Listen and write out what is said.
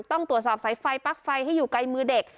ต้องตรวจสอบสายไฟปลั๊กไฟให้อยู่ไกลมือเด็ก